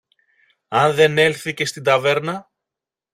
αν δεν έλθει και στην ταβέρνα;